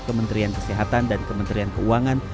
kementerian kesehatan dan kementerian keuangan